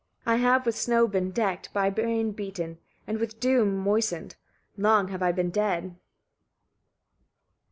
I have with snow been decked, by rain beaten, and with dew moistened: long have I been dead."